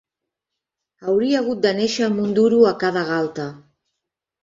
Hauria hagut de néixer amb un duro a cada galta